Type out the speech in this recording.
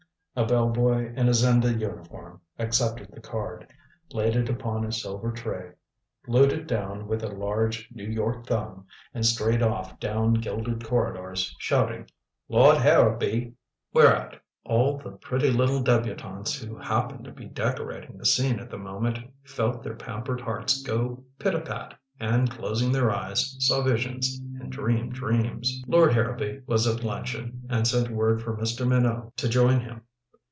A bell boy in a Zenda uniform accepted the card, laid it upon a silver tray, glued it down with a large New York thumb, and strayed off down gilded corridors shouting, "Lord Harrowby." Whereat all the pretty little debutantes who happened to be decorating the scene at the moment felt their pampered hearts go pit a pat and, closing their eyes, saw visions and dreamed dreams. Lord Harrowby was at luncheon, and sent word for Mr. Minot to join him.